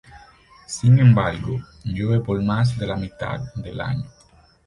Sin embargo, llueve por más de la mitad del año.